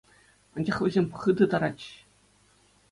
Анчах вӗсем хытӑ таратчӗҫ.